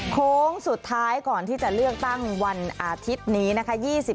โค้งสุดท้ายก่อนที่จะเลือกตั้งวันอาทิตย์นี้นะคะ